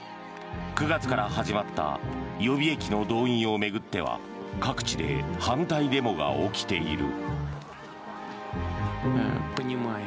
９月から始まった予備役の動員を巡っては各地で反対デモが起きている。